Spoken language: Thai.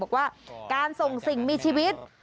บอกว่าการส่งสิ่งมีชีวิต